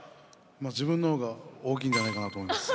自分の方が大きいんじゃないかなと思います。